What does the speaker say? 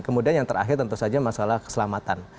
kemudian yang terakhir tentu saja masalah keselamatan